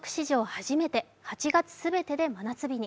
初めて８月全てで真夏日に。